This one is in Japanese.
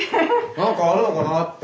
何かあるのかなぁって。